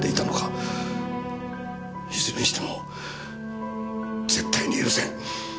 いずれにしても絶対に許せん。